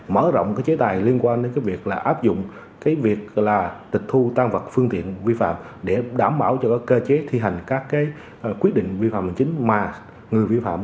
mở rộng cái chế tài liên quan đến cái việc là áp dụng cái việc là tịch thu tăng vật phương tiện vi phạm để đảm bảo cho cơ chế thi hành các quyết định vi phạm hình chính mà người vi phạm